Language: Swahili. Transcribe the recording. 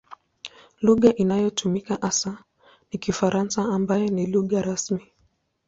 Lugha inayotumika hasa ni Kifaransa ambayo ni lugha rasmi.